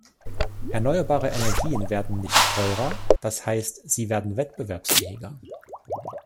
Erneuerbare Energien werden nicht teurer, das heißt, sie werden wettbewerbsfähiger.